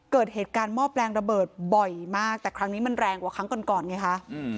เกิดเหตุการณ์หม้อแปลงระเบิดบ่อยมากแต่ครั้งนี้มันแรงกว่าครั้งก่อนก่อนไงคะ